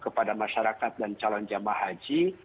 kepada masyarakat dan calon jamaah haji